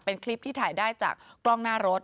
เป็นคลิปที่ถ่ายได้จากกล้องหน้ารถ